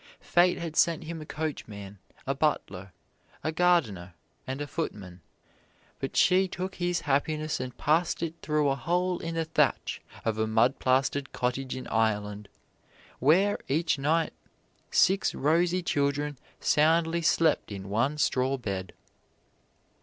Fate had sent him a coachman, a butler, a gardener and a footman, but she took his happiness and passed it through a hole in the thatch of a mud plastered cottage in Ireland, where, each night, six rosy children soundly slept in one straw bed.